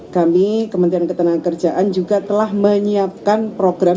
kami kementerian ketenagakerjaan juga telah menyiapkan program